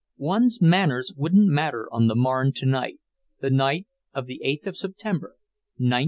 One's manners wouldn't matter on the Marne tonight, the night of the eighth of September, 1914.